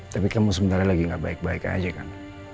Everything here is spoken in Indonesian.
tapi kamu sebentar lagi gak baik baik aja kan